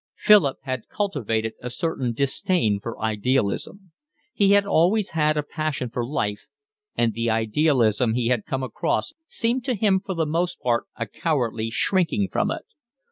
Philip had cultivated a certain disdain for idealism. He had always had a passion for life, and the idealism he had come across seemed to him for the most part a cowardly shrinking from it.